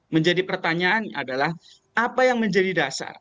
menjadi pertanyaan adalah apa yang menjadi dasar